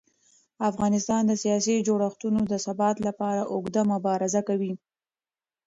افغانستان د سیاسي جوړښتونو د ثبات لپاره اوږده مبارزه کوي